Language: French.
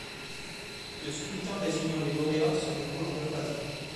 Le scrutin désignant les lauréats se déroule en deux phases.